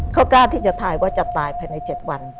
เขากล้าที่จะถ่ายว่าจะตายภายใน๗วัน